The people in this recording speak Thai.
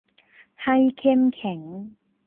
ให้เข้มแข็ง